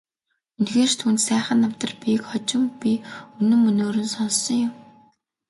Үнэхээр ч түүнд сайхан намтар бийг хожим би үнэн мөнөөр нь сонссон юм.